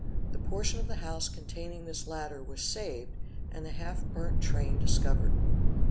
The portion of the house containing this latter was saved, and the half burnt train dis covered.